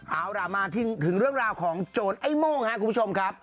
เอาล่ะมาถึงเรื่องราวของโจรไอ้โม่งครับคุณผู้ชมครับ